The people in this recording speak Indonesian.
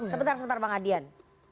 sebentar sebentar bang adian